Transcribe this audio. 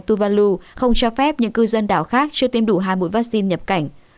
tù văn lưu không cho phép những cư dân đảo khác chưa tiêm đủ hai mũi vaccine nhập cảnh